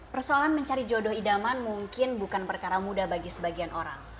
persoalan mencari jodoh idaman mungkin bukan perkara mudah bagi sebagian orang